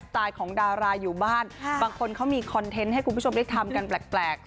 ไตล์ของดาราอยู่บ้านบางคนเขามีคอนเทนต์ให้คุณผู้ชมได้ทำกันแปลก